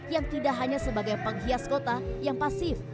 yang tidak hanya sebagai penghias kota yang pasif